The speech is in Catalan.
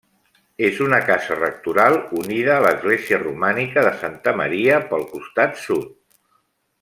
És una casa rectoral unida a l'església romànica de Santa Maria pel costat sud.